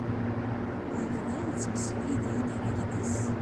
Yebda yettmeslay d yinaragen-is.